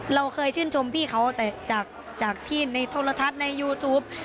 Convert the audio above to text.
เราเคยชื่นชมพี่เขาแต่จากที่ในโทรทัศน์ในยูทูป